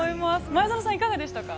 前園さん、いかがでしたか。